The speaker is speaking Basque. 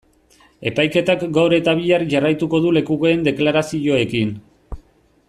Epaiketak gaur eta bihar jarraituko du lekukoen deklarazioekin.